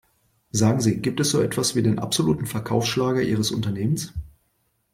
Sagen Sie, gibt es so etwas wie den absoluten Verkaufsschlager ihres Unternehmens?